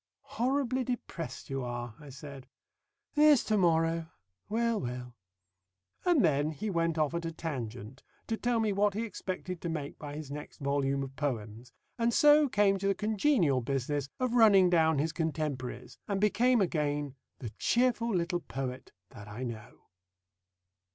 "Horribly depressed you are!" I said. "There's to morrow. Well, well...." And then he went off at a tangent to tell me what he expected to make by his next volume of poems, and so came to the congenial business of running down his contemporaries, and became again the cheerful little Poet that I know.